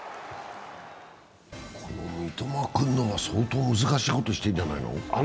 三笘君のが相当難しいことしてるんじゃないの？